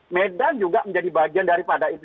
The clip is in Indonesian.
medan juga menjadi bagian daripada itu